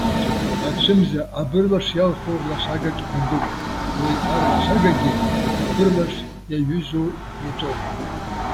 Ацәымза абырлаш иалху рлашагак иҭагылоуп, уи арлашагагьы абырлаш иаҩызоу еҵәоуп.